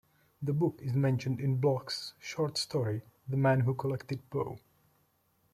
The book is mentioned in Bloch's short story "The Man Who Collected Poe".